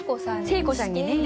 誠子さんにね。